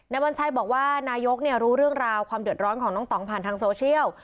วัญชัยบอกว่านายกรู้เรื่องราวความเดือดร้อนของน้องต่องผ่านทางโซเชียล